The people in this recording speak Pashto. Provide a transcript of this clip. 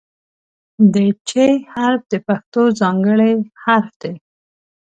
د "چ" حرف د پښتو ځانګړی حرف دی.